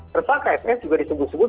terbang kfs juga disebut sebut